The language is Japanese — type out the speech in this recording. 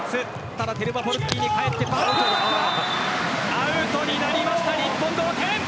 アウトになりました、日本同点。